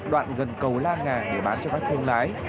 đoạn gần cầu la nga để bán cho các thông lái